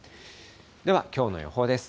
ではきょうの予報です。